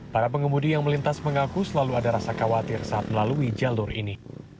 para pengemudi yang melintas mengaku selalu ada rasa khawatir saat melalui jalur ini